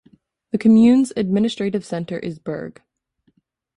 The commune's administrative centre is Berg.